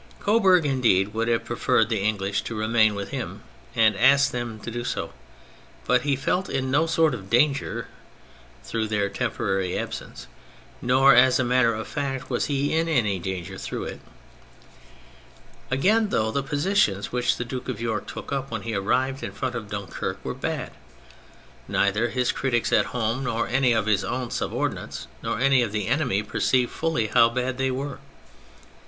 Coburg, indeed, would have preferred the English to remain with him, and asked them to do so, but he felt in no sort of danger through their temporary absence, nor, as a matter of fact, was he in any danger through it. Again, though the positions which the Duke of York took up when he arrived in front of Dunquerque were bad, neither his critics at home, nor any of his own sub ordinates, nor any of the enemy, perceived fully how bad they were.